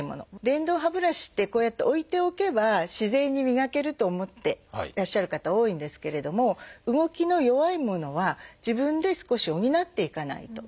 電動歯ブラシってこうやって置いておけば自然に磨けると思ってらっしゃる方多いんですけれども動きの弱いものは自分で少し補っていかないと。